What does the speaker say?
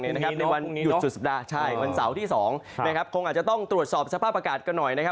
ในวันหยุดสุดสัปดาห์ใช่วันเสาร์ที่๒คงอาจจะต้องตรวจสอบสภาพอากาศกันหน่อยนะครับ